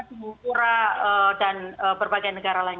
singapura dan berbagai negara lain